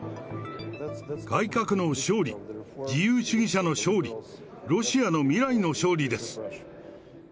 改革の勝利、自由主義者の勝利、ロシアの未来の勝利です。